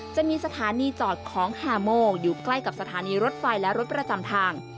จะมีสถานีจอดของฮาโมอยู่ใกล้กับสถานีรถไฟและรถประจำทาง